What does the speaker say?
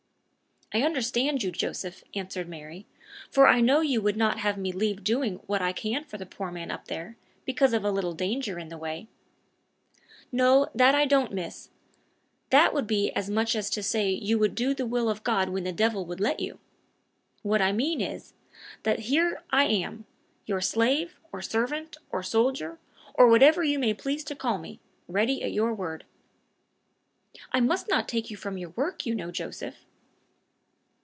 "I understand you, Joseph," answered Mary, "for I know you would not have me leave doing what I can for the poor man up there, because of a little danger in the way." "No, that I wouldn't, miss. That would be as much as to say you would do the will of God when the devil would let you. What I mean is, that here am I your slave, or servant, or soldier, or whatever you may please to call me, ready at your word." "I must not take you from your work, you know, Joseph."